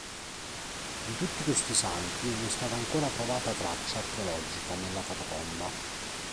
Di tutti questi santi non è stata ancora trovata traccia archeologica nella catacomba.